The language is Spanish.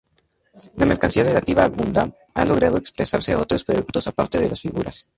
La mercancía relativa "Gundam" ha logrado expresarse a otros productos aparte de las figuras.